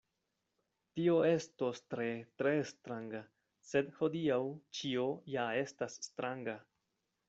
Tio estos tre, tre stranga, sed hodiaŭ ĉio ja estas stranga.”